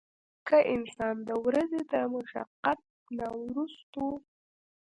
کۀ انسان د ورځې د مشقت نه وروستو